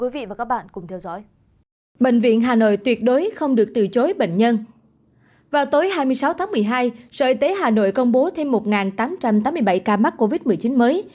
vào tối hai mươi sáu tháng một mươi hai sở y tế hà nội công bố thêm một tám trăm tám mươi bảy ca mắc covid một mươi chín mới